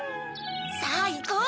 さぁいこう！